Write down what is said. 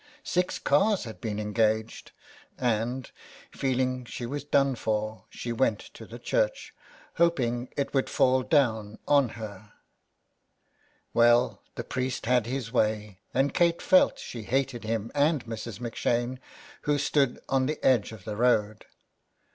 Six cars had been engaged, and, feeling she was done for, she went to the church, hoping it would fall down on her. Well, the priest had his way , and Kate felt she hated him and Mrs. M 'Shane, who stood on the edge of the road.